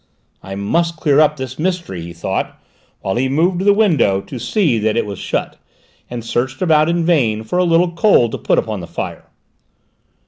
"I must clear up this mystery," he thought, while he moved to the window to see that it was shut, and searched about, in vain, for a little coal to put upon the fire.